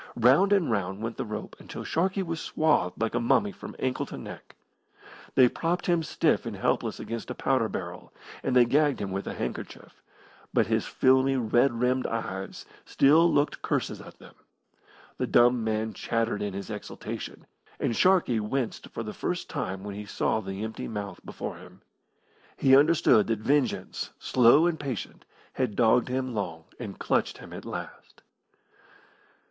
Round and round went the rope, until Sharkey was swathed like a mummy from ankle to neck. They propped him stiff and helpless against a powder barrel, and they gagged him with a handkerchief, but his filmy, red rimmed eyes still looked curses at them. The dumb man chattered in his exultation, and Sharkey winced for the first time when he saw the empty mouth before him. He understood that vengeance, slow and patient, had dogged him long, and clutched him at last.